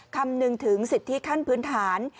คำนึงถึงสิทธิขั้นพื้นฐาน